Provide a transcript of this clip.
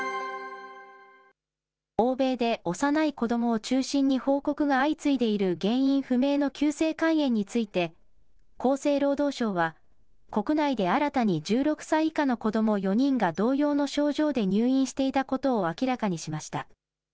欧米で幼い子どもを中心に報告が相次いでいる原因不明の急性肝炎について、厚生労働省は、国内で新たに１６歳以下の子ども４人が同様の症状で入院していたことを明らかにしました。